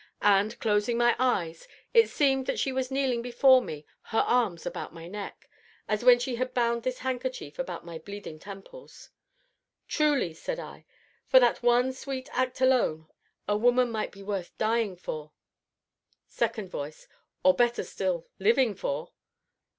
And, closing my eyes, it seemed that she was kneeling before me, her arms about my neck, as when she had bound this handkerchief about my bleeding temples. "Truly," said I, "for that one sweet act alone, a woman might be worth dying for!") SECOND VOICE. Or better still living for!